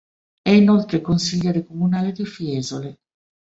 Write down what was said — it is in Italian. È inoltre consigliere comunale di Fiesole.